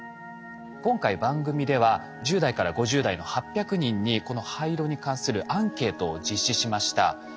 今回番組では１０代から５０代の８００人にこの廃炉に関するアンケートを実施しました。